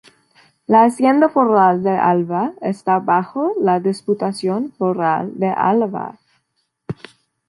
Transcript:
La Hacienda Foral de Álava está bajo la Diputación Foral de Álava.